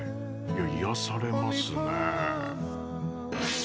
いや癒やされますねえ。